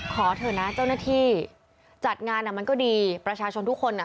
ขอเถอะนะเจ้าหน้าที่จัดงานมันก็ดีประชาชนทุกคน